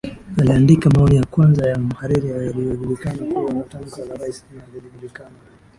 aliandika maoni ya kwanza ya mhariri yaliyojulikana kuwa ni tamko la raisi na lilijulikana